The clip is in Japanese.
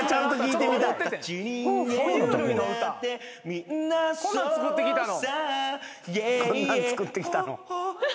こんなん作ってきたの？